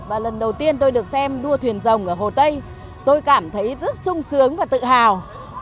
và lần đầu tiên tôi được xem đua thuyền rồng ở hồ tây tôi cảm thấy rất sung sướng và tự hào